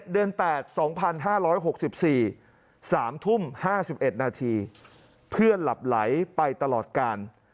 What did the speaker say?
เดือน๘๒๕๖๔๓ทุ่ม๕๑นาทีเพื่อนหลับไหลไปตลอดกาล